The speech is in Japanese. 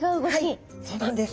はいそうなんです。